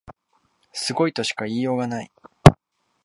すごいとしか言いようがない